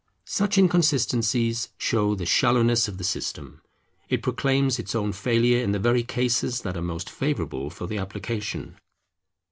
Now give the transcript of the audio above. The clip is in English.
Such inconsistencies show the shallowness of the system; it proclaims its own failure in the very cases that are most favourable for the application.